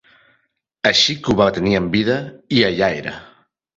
Així que ho va tenir en vida, i allà era!